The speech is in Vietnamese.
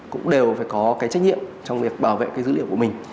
cũng đều phải có cái trách nhiệm trong việc bảo vệ cái dữ liệu của mình